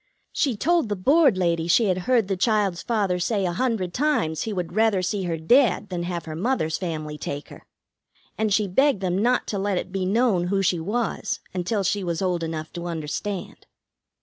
She told the Board ladies she had heard the child's father say a hundred times he would rather see her dead than have her mother's family take her. And she begged them not to let it be known who she was until she was old enough to understand."